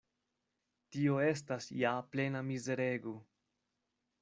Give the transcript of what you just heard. Tio estas ja plena mizerego!